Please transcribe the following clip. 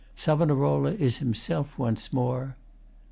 ] Savonarola is himself once more.